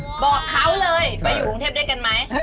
บอกเขาเลยไปอยู่กรุงเทพด้วยกันไหม